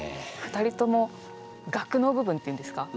２人ともがくの部分っていうんですか？